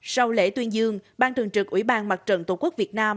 sau lễ tuyên dương ban thường trực ủy ban mặt trận tổ quốc việt nam